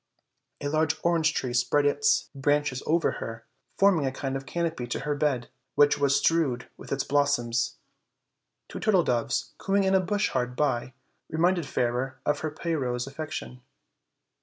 A large orange tree spread its 62 OLD, OLD FAIRY TALES. branches over her, forming a kind of canopy to her bed, which was strewed with its blossoms. Two turtle doves, cooing in a bush hard by, reminded Fairer of her Pyrrho's affection.